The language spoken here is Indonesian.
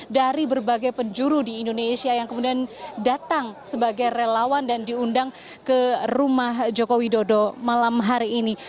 dari berbagai penjuru di indonesia yang kemudian datang sebagai relawan dan diundang ke rumah joko widodo malam hari ini